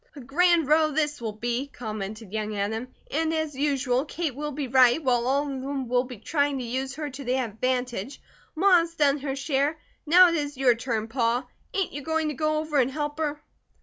"A grand row this will be," commented young Adam. "And as usual Kate will be right, while all of them will be trying to use her to their advantage. Ma has done her share. Now it is your turn, Pa. Ain't you going to go over and help her?"